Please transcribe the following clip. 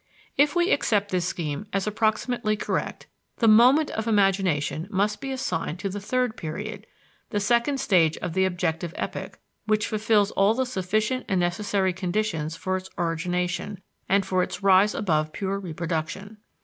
If we accept this scheme as approximately correct, the moment of imagination must be assigned to the third period (the second stage of the objective epoch) which fulfills all the sufficient and necessary conditions for its origination and for its rise above pure reproduction.